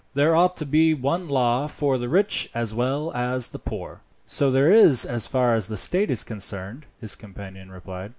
There ought to be one law for the rich as well as the poor." "So there is as far as the state is concerned," his companion replied.